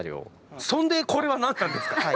そんでこれは何なんですか？